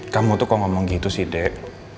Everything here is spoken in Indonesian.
kamu tuh kok ngomong gitu sih dek